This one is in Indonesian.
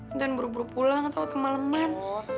intan buru buru pulang takut kemaleman